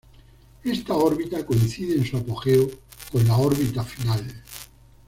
Esta órbita coincide en su apogeo con la órbita final.